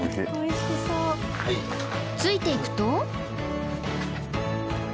ついていくと